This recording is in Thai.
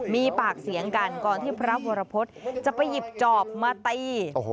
มีปากเสียงกันก่อนที่พระวรพฤษจะไปหยิบจอบมาตี